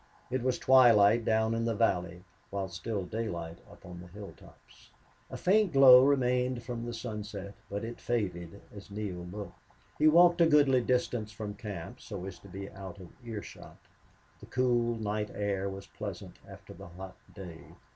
It was twilight down in the valley, while still daylight up on the hilltops. A faint glow remained from the sunset, but it faded as Neale looked. He walked a goodly distance from camp, so as to be out of earshot. The cool night air was pleasant after the hot day.